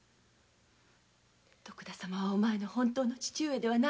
徳田様はお前の本当の父上ではないのです。